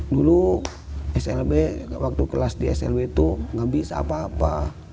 dulu slb waktu kelas di slb itu nggak bisa apa apa